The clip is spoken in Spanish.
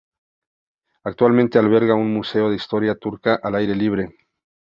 Actualmente alberga un museo de historia turca al aire libre.